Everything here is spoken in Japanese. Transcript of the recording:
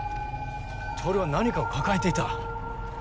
透は何かを抱えていた。